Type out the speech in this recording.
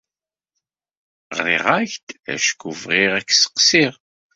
Ɣriɣ-ak-d acku bɣiɣ ad k-sseqsiɣ.